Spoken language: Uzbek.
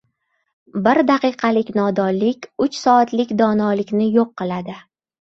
• Bir daqiqalik nodonlik uch soatlik donolikni yo‘q qiladi.